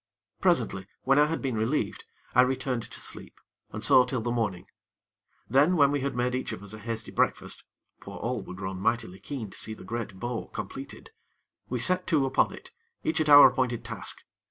Presently, when I had been relieved, I returned to sleep, and so till the morning. Then, when we had made each of us a hasty breakfast for all were grown mightily keen to see the great bow completed we set to upon it, each at our appointed task.